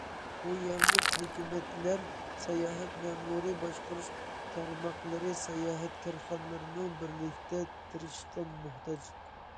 بۇ يەرلىك ھۆكۈمەتلەر، ساياھەت مەمۇرىي باشقۇرۇش تارماقلىرى، ساياھەت كارخانىلىرىنىڭ بىرلىكتە تىرىشىشىغا موھتاج.